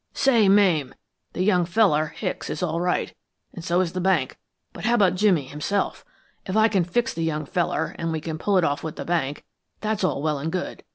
"Say, Mame, the young feller, Hicks, is all right, and so is the bank; but how about Jimmy himself? If I can fix the young feller, and we can pull it off with the bank, that's all well and good.